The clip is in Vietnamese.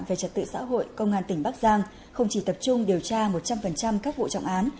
về trật tự xã hội công an tỉnh bắc giang không chỉ tập trung điều tra một trăm linh các vụ trọng án